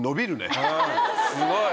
すごい。